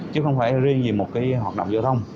chứ không phải riêng về một hoạt động giao thông